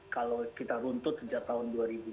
kalau kita runtut sejak tahun dua ribu empat dua ribu enam